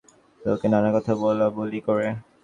লোকে নানা কথা বলাবলি করে।